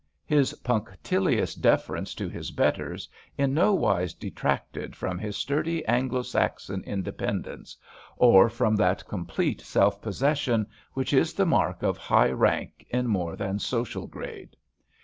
His punc tilious deference to his betters in no wise detracted from his sturdy, Anglo Saxon independence, or from that complete self possession which is the mark of high rank lo 4 HARKAWAY in more than social grade.